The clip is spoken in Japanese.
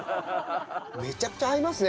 めちゃくちゃ合いますね